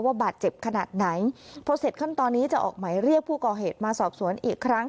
ว่าบาดเจ็บขนาดไหนตอนนี้จะออกหมายเรียกผู้ก่อเหตุมาสอบสวนอีกครั้ง